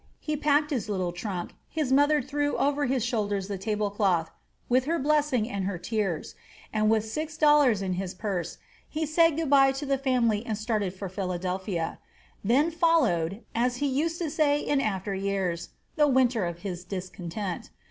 He packed his little trunk, his mother threw over his shoulders the table cover, with her blessing and her tears; and with six dollars in his purse, he said good bye to the family and started for Philadelphia. Then followed, as he used to say in after years, the "winter of his discontent."